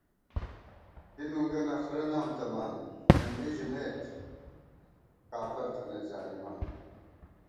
کی نُنگہ نخرہ نام تمان، اېم وی ژِمېت کافر تھنَئیت ظالِمان